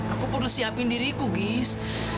aku perlu siapin diriku gis